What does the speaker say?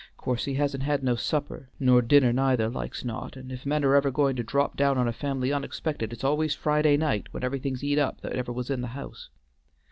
Course he hasn't had no supper, nor dinner neither like's not, and if men are ever going to drop down on a family unexpected it's always Friday night when everything's eat up that ever was in the house.